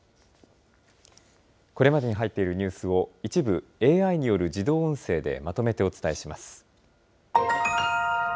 これまでに入っているニュースを、一部ＡＩによる自動音声でまとめてお伝えします。